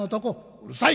「うるさい！」。